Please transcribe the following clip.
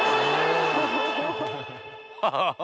ハハハ。